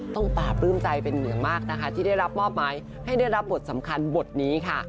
ปราบปลื้มใจเป็นอย่างมากนะคะที่ได้รับมอบหมายให้ได้รับบทสำคัญบทนี้ค่ะ